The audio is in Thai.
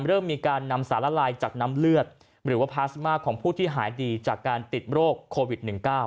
เริ่มมีการนำสารละลายจากน้ำเลือดหรือว่าพลาสมาของผู้ที่หายดีจากการติดโรคโควิด๑๙